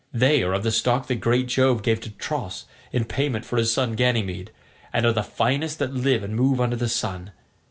They are of the stock that great Jove gave to Tros in payment for his son Ganymede, and are the finest that live and move under the sun.